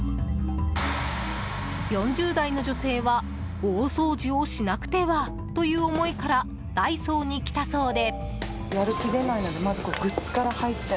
４０代の女性は大掃除をしなくてはという思いからダイソーに来たそうで。